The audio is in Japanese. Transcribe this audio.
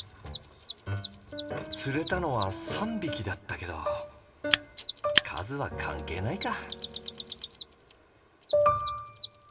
釣れたのは３匹だったけど数は関係ないか。